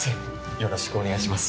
よろしくお願いします。